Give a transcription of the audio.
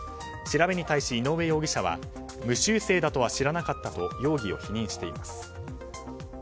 調べに対し井上容疑者は無修正だとは知らなかったと容疑を否認しています。